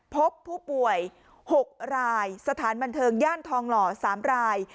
พบผู้ป่วย๖รายสถานบันเทิงย่านทองหล่อ๓ราย